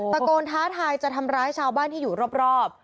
ตะโกนท้าทายจะทำร้ายชาวบ้านที่อยู่รอบ